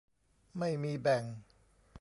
ไม่มีแบ่ง